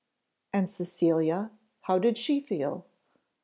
And Cecilia how did she feel?